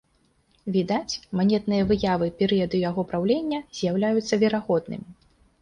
Відаць, манетныя выявы перыяду яго праўлення з'яўляюцца верагоднымі.